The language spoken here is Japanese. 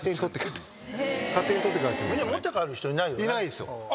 いないですよ。